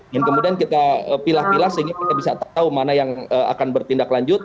yang kemudian kita pilah pilah sehingga kita bisa tahu mana yang akan bertindaklanjut